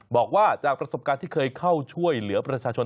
บอกว่าจากประสบการณ์ที่เคยเข้าช่วยเหลือประชาชน